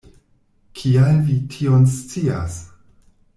Kial vi tion scias?